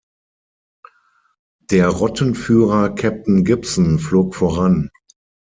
Der Rottenführer Captain Gibson flog voran.